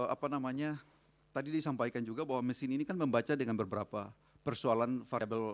apa namanya tadi disampaikan juga bahwa mesin ini kan membaca dengan beberapa persoalan variable